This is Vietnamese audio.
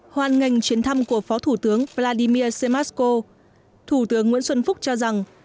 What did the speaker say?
hoàn ngành chuyến thăm của phó thủ tướng vladimir semesko thủ tướng nguyễn xuân phúc cho rằng